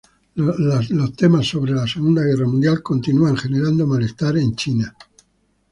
Los temas acerca de la Segunda Guerra Mundial continúan generando malestar en China.